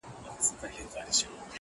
• په زرګونو مي لا نور یې پوروړی ,